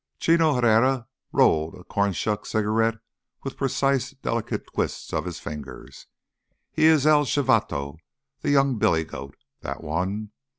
Chino Herrera rolled a cornshuck cigarette with precise, delicate twists of his fingers. "He is el chivato—the young billy goat—that one.